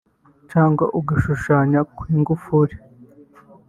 cyangwa agashushanyo k’ingufuri)